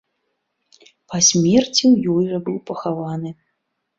Па смерці ў ёй жа быў пахаваны.